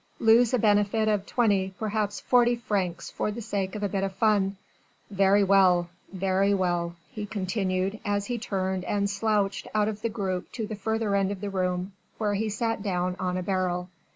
Lose a benefit of twenty, perhaps forty francs for the sake of a bit of fun. Very well! Very well!" he continued as he turned and slouched out of the group to the further end of the room, where he sat down on a barrel.